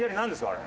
あれ。